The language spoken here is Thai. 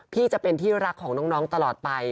พี่จะเป็นที่รักของน้องตลอดไป